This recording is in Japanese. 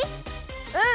うん！